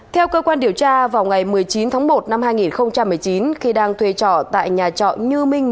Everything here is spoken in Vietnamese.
theo cơ quan điều tra vào ngày một mươi chín tháng một năm hai nghìn một mươi chín khi đang thuê trọ tại nhà trọ như minh